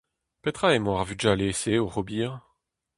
Petra emañ ar vugale-se oc'h ober ?